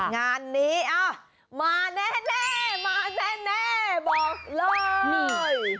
งานนี้มาแน่บอกเลย